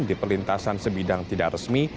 di pelintasan sebidang tidak resmi